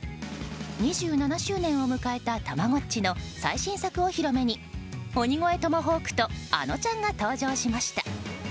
２７周年を迎えたたまごっちの最新作お披露目に鬼越トマホークとあのちゃんが登場しました。